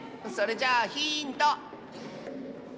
それじゃあヒント！